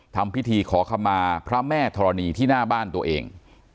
ทำพิธีขอขมาพระแม่ธรณีที่หน้าบ้านตัวเอง